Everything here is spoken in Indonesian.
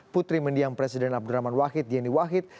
putri mendiang presiden abdurrahman wahid yeni wahid